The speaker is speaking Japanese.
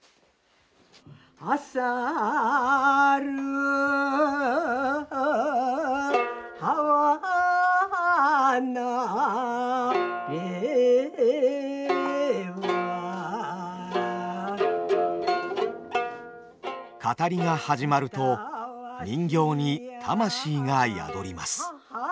あさるあはなれば語りが始まると人形に魂が宿ります。